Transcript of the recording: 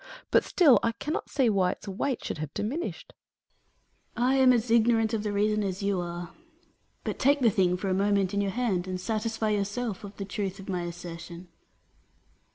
But still I cannot see why its weight should have diminished. Atlas. I am as ignorant of the reason as you are. But take the thing for a moment in your hand, and satisfy yourself of the truth of my assertion.